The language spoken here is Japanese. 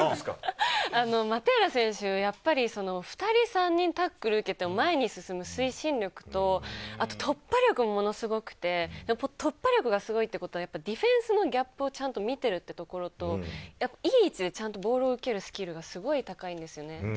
マテーラ選手、２人、３人、タックルを受けても、前に進む推進力と、あと突破力がものすごくて、突破力がすごいってことはディフェンスの逆をちゃんと見てるというところと、いい位置でボールを受けるスキルがすごい高いですね。